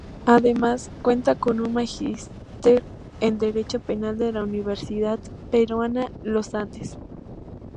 Además cuenta con un magíster en derecho penal de la Universidad Peruana Los Andes.